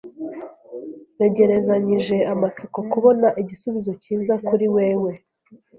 Ntegerezanyije amatsiko kubona igisubizo cyiza kuri wewe.